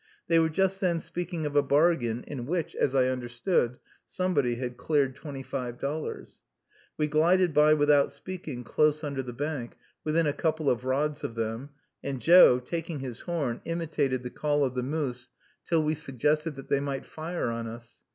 They were just then speaking of a bargain, in which, as I understood, somebody had cleared twenty five dollars. We glided by without speaking, close under the bank, within a couple of rods of them; and Joe, taking his horn, imitated the call of the moose, till we suggested that they might fire on us.